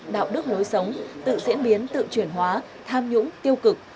đạo đức lối sống tự diễn biến tự chuyển hóa tham nhũng tiêu cực